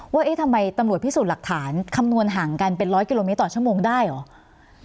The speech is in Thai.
ว่าเอ๊ะทำไมตำรวจพิสูจน์หลักฐานคำนวณห่างกันเป็นร้อยกิโลเมตรต่อชั่วโมงได้เหรอ